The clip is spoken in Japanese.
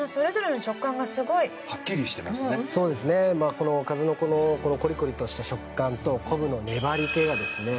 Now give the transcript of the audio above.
この数の子のコリコリとした食感と昆布の粘り気がですね